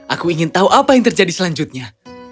aku ingin tahu apa yang terjadi selanjutnya